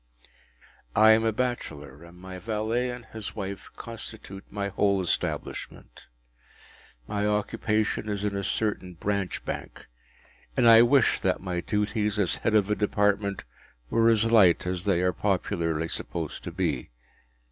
I am a bachelor, and my valet and his wife constitute my whole establishment. My occupation is in a certain Branch Bank, and I wish that my duties as head of a Department were as light as they are popularly supposed to be.